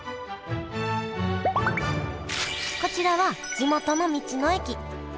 こちらは地元の道の駅。